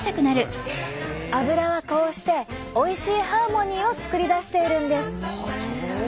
アブラはこうしておいしいハーモニーを作り出しているんです。